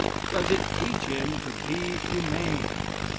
does it teach him to be humane?